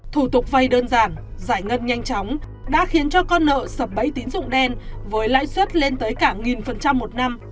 thủ tục vay đơn giản giải ngân nhanh chóng đã khiến cho con nợ sập bấy tín dụng đen với lãi suất lên tới cả một một năm